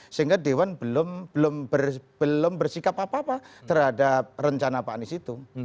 sehingga dewan belum bersikap apa apa terhadap rencana pak anies itu